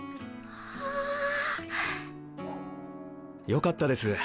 よかったです